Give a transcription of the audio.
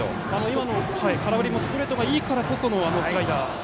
今の空振りもストレートがいいからこそのスライダー。